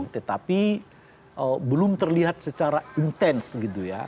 tetapi belum terlihat secara intens gitu ya